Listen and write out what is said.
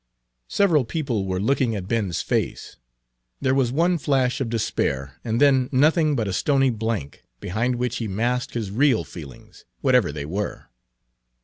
Several people were looking at Ben's face. There was one flash of despair, and then nothing but a stony blank, behind which he masked his real feelings, whatever they were.